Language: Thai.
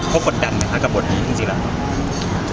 เขากดดันไหมคะกับบทนี้จริงอะ